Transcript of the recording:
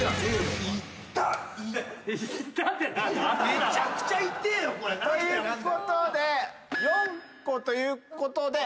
めちゃくちゃ痛えよ。ということで４個ということで。